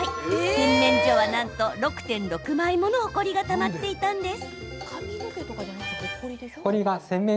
洗面所は、なんと６．６倍ものほこりがたまっていたんです。